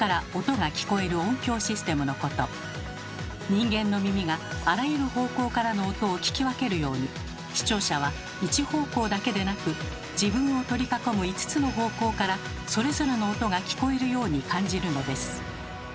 人間の耳があらゆる方向からの音を聞き分けるように視聴者は１方向だけでなく自分を取り囲む５つの方向からそれぞれの音が聞こえるように感じるのです。